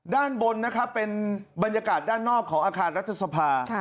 ด้านบนนะครับเป็นบรรยากาศด้านนอกของอาคารรัฐสภา